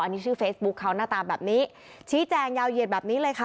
อันนี้ชื่อเฟซบุ๊คเขาหน้าตาแบบนี้ชี้แจงยาวเหยียดแบบนี้เลยค่ะ